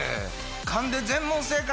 勘で全問正解？